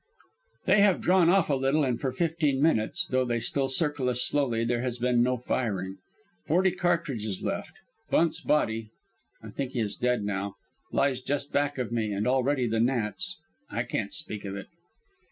"They have drawn off a little and for fifteen minutes, though they still circle us slowly, there has been no firing. Forty cartridges left. Bunt's body (I think he is dead now) lies just back of me, and already the gnats I can't speak of it."